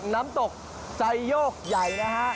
น้ำตกสายโยกใหญ่นะครับ